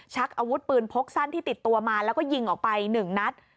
ชักอาวุธปืนพกสั้นที่ติดตัวมาแล้วก็ยิงออกไป๑นัด